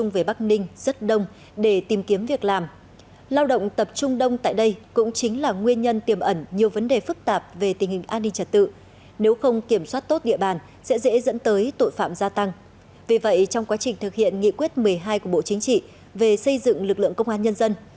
vì vậy trong quá trình thực hiện nghị quyết một mươi hai của bộ chính trị về xây dựng lực lượng công an nhân dân